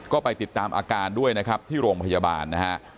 ก็ไปติดตามอาการด้วยนะครับที่โรงพยาบาลนะฮะ